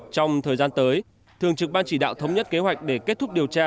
trong thời gian tới thường trực ban chỉ đạo thống nhất kế hoạch để kết thúc điều tra